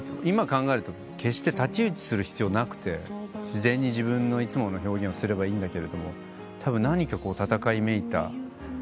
今考えると決して太刀打ちする必要なくて自然に自分のいつもの表現をすればいいんだけれどもたぶん何か戦いめいた。